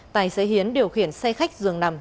tài xế hiến điều khiển xe khách dường nằm